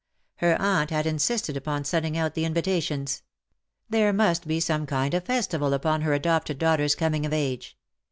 Her aunt had insisted upon sending out the invitations. There must be some kind of festival upon her adopted daughter's coming of age.